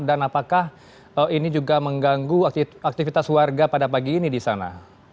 dan apakah ini juga mengganggu aktivitas warga pada pagi ini di sana